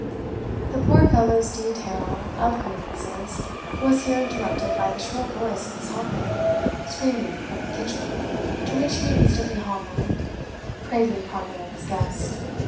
The poor fellow's detail of grievances was here interrupted by the shrill voice of his helpmate, screaming from the kitchen, to which he instantly hobbled, craving pardon of his guests.